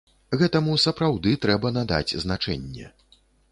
Гэтаму сапраўды трэба надаць значэнне.